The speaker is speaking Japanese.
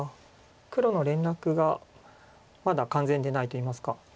黒の連絡がまだ完全でないといいますか。